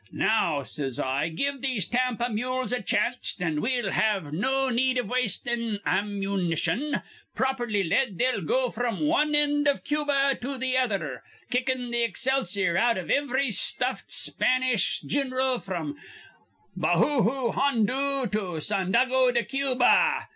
Now, says I, give these Tampa mules a chanst, an' we'll have no need iv wastin' ammun ni tion. Properly led, they'd go fr'm wan end iv Cuba to th' other, kickin' th' excelsior out iv ivry stuffed Spanish gin'ral fr'm Bahoohoo Hoondoo to Sandago de Cuba.